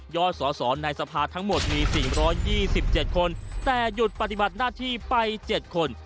สอสอในสภาทั้งหมดมี๔๒๗คนแต่หยุดปฏิบัติหน้าที่ไป๗คน